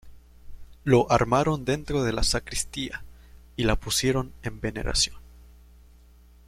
Lo armaron dentro de la sacristía y la pusieron en veneración.